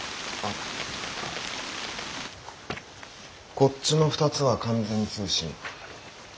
こっちの２つは完全通信。